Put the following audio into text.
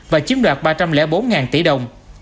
và chiếm đoạt ba trăm linh bốn tỷ đồng